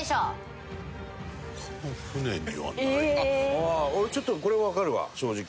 俺ちょっとこれはわかるわ正直。